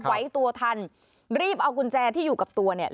ไหวตัวทันรีบเอากุญแจที่อยู่กับตัวเนี่ย